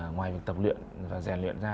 ngoài việc tập luyện và rèn luyện ra